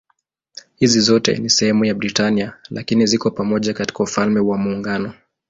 Hizi zote si sehemu ya Britania lakini ziko pamoja katika Ufalme wa Muungano.